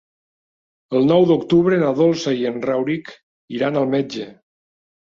El nou d'octubre na Dolça i en Rauric iran al metge.